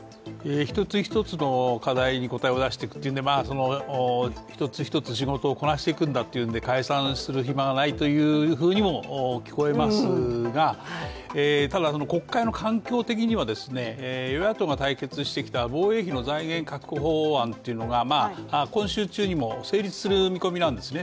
一つ一つの課題に答えを出していくというので一つ一つ仕事をこなしていくんだというんで解散する暇がないんだとも聞こえますが、ただ国会の環境的には与野党が対決してきた防衛費の財源確保法案というのが今週中にも成立する見込みなんですね。